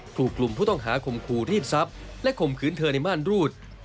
กลุ่มผู้ต้องหาข่มขู่รีดทรัพย์และข่มขืนเธอในม่านรูด